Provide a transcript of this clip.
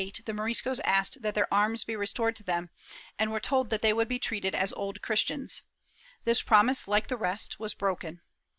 In the Concordia of 1528, the Moriscos asked that their arms be restored to them, and were told that they would be treated as Old Christians. This promise, like the rest, was broken.